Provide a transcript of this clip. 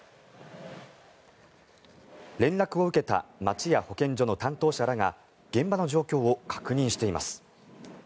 連絡を受けた町や保健所の担当者らが現場の状況を確認しています。